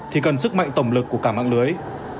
thì cần sức mạnh tổng lực của cả mạng lưới